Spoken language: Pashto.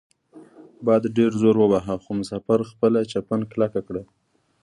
باد ډیر زور وواهه خو مسافر خپله چپن کلکه کړه.